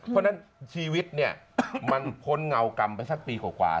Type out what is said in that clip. เพราะฉะนั้นชีวิตเนี่ยมันพ้นเงากรรมไปสักปีกว่า